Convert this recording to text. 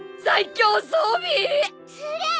すげえ。